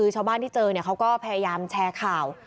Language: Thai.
ชาวบ้านที่เจอเขาก็พยายามแชร์ข่าว